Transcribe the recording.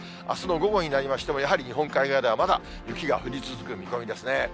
あすの午後になりましても、やはり日本海側では、まだ雪が降り続く見込みですね。